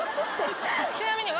ちなみに。